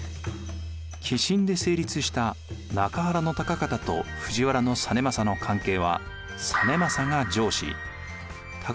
寄進で成立した中原高方と藤原実政の関係は実政が上司高方が下司になります。